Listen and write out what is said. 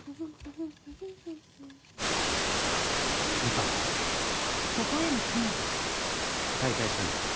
歌ってる再会したんですよ